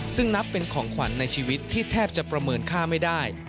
ซึ่งนับเป็นของขวัญในชีวิตที่แทบจะประเมินค่าไม่ได้